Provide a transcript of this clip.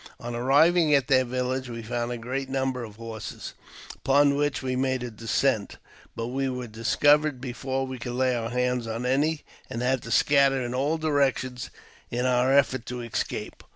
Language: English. On arriving at their village we found a great number of horses, upon which we made a descent ; but we were discovered before we could lay our hands on any, and had to scatter in all directions in our effort to escape.